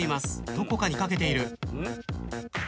どこかにかけている。